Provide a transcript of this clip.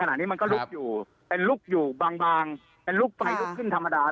มันก็ลุกอยู่เป็นลุกอยู่บางบางเป็นลุกไฟลุกขึ้นธรรมดา